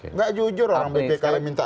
enggak jujur orang bpk yang minta